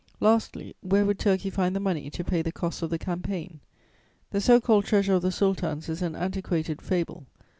"Lastly, where would Turkey find the money to pay the costs of the campaign? The so called treasure of the Sultans is an antiquated fable.